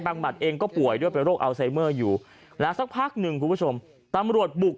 หมัดเองก็ป่วยด้วยเป็นโรคอัลไซเมอร์อยู่แล้วสักพักหนึ่งคุณผู้ชมตำรวจบุก